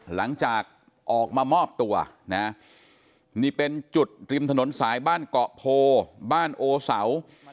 หลังจากออกมามอบตัวนะนี่เป็นจุดริมถนนสายบ้านเกาะโพบ้านโอเสา